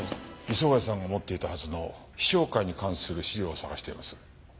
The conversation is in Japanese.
磯貝さんが持っていたはずの陽尚会に関する資料を探しています。